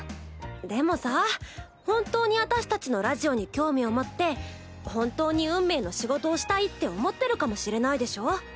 でもさ本当に私たちのラジオに興味を持って本当に運命の仕事をしたいって思ってるかもしれないでしょ。